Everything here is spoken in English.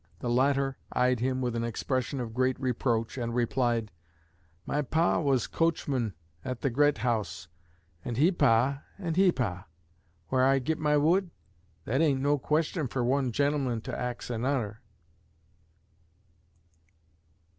The latter eyed him with an expression of great reproach and replied: "My pa was coachman at the Gret House, and he pa, and he pa; 'whar I git my wood?' That ain't no question for one gen'l'man to ax an'er!"